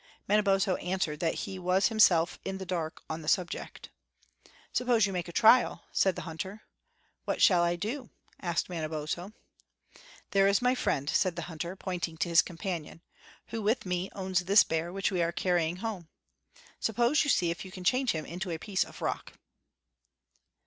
Manabozho answered that he was himself in the dark on the subject. "Suppose you make a trial," said the hunter. "What shall I do?" asked Manabozho. "There is my friend," said the hunter, pointing to his companion, "who with me owns this bear which we are carrying home. Suppose you see if you can change him into a piece of rock."